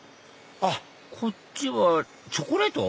こっちはチョコレート？